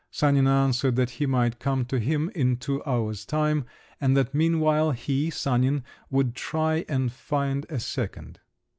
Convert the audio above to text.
Sanin answered that he might come to him in two hours' time, and that meanwhile, he, Sanin, would try and find a second.